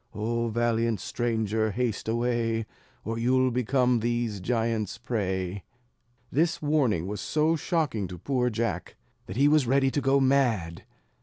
Oh valiant stranger, haste away, Or you'll become these giants' prey." This warning was so shocking to poor Jack, that he was ready to go mad.